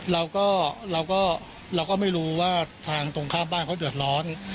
เราก็เราก็ไม่รู้ว่าทางตรงข้ามบ้านเขาเดือดร้อน